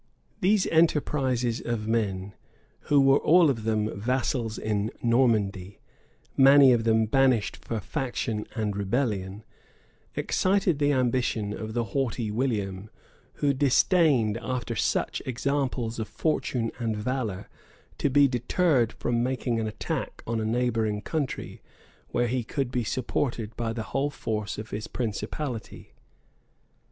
[*] These enterprises of men, who were all of them vassals in Normandy many of them banished for faction and rebellion, excited the ambition of the haughty William, who disdained, after such examples of fortune and valor, to be deterred from making an Attack on a neighboring country, where he could be supported by the whole force of his principality.